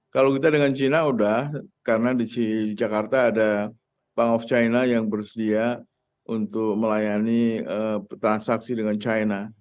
kalau kita dengan cina udah karena di jakarta ada bank of china yang bersedia untuk melayani transaksi dengan china